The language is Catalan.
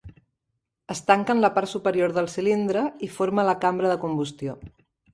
Es tanca en la part superior del cilindre i forma la cambra de combustió.